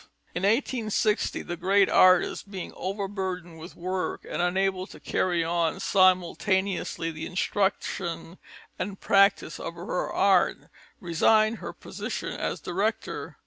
In 1860, the great artist, being overburdened with work and unable to carry on simultaneously the instruction and practice of her art, resigned her position as director.